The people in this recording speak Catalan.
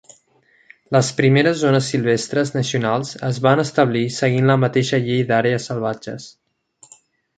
Les primeres zones silvestres nacionals es van establir seguint la mateixa Llei d'àrees salvatges.